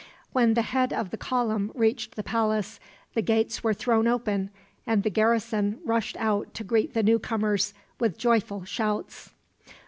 When the head of the column reached the palace, the gates were thrown open and the garrison rushed out to greet the newcomers, with joyful shouts.